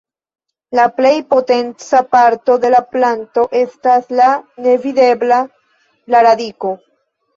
La plej potenca parto de la planto estas la nevidebla: la radiko.